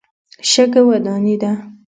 شګه وداني ده.